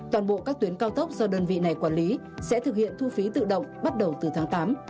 toàn bộ các tuyến cao tốc do đơn vị này quản lý sẽ thực hiện thu phí tự động bắt đầu từ tháng tám